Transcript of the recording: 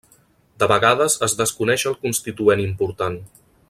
De vegades es desconeix el constituent important.